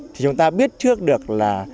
thì chúng ta biết trước được là